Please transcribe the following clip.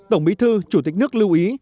đồng mỹ thư chủ tịch nước lưu ý